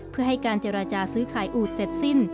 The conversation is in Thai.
เพื่อให้การเจรจาซื้อขายอูดเสร็จสิ้น